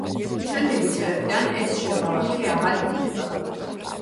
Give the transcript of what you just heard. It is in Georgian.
შემდეგი წლებიდან ეს შეღავათი აღარ იქნება.